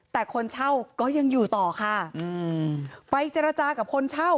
แต่คนเช่าก็ยังอยู่ต่อค่ะอืมไปเจรจากับคนเช่า